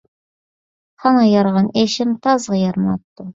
خانغا يارىغان ئىشىم تازغا يارىماپتۇ